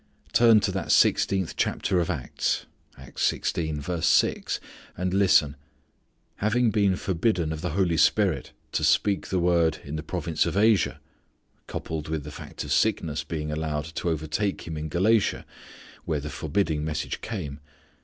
Turn to that sixteenth chapter of Acts, and listen: "Having been forbidden of the Holy Spirit to speak the word in (the province of) Asia," coupled with the fact of sickness being allowed to overtake him in Galatia where the "forbidding" message came.